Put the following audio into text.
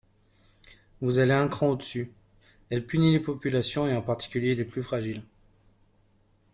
Vous allez un cran au-dessus : elle punit les populations et en particulier les plus fragiles.